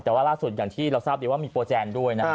แต่ว่าล่าสุดอย่างที่เราทราบดีว่ามีโปรแจนด้วยนะฮะ